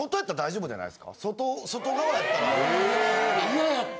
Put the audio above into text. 嫌やって！